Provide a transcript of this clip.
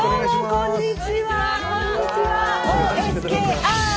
こんにちは。